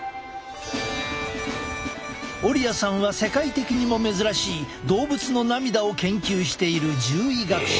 オリアさんは世界的にも珍しい動物の涙を研究している獣医学者。